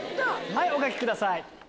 はいお書きください。